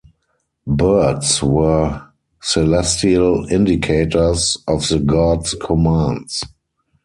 Birds were celestial indicators of the gods' commands.